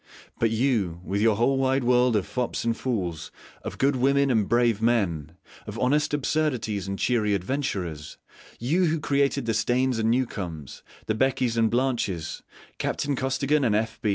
But you, with your whole wide world of fops and fools, of good women and brave men, of honest absurdities and cheery adventurers: you who created the Steynes and Newcomes, the Beckys and Blanches, Captain Costigan and F.